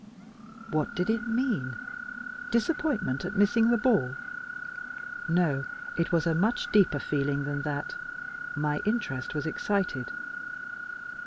What did it mean? Disappointment at missing the ball? No, it was a much deeper feeling than that. My interest was excited.